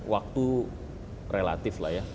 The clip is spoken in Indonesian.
waktu relatif lah ya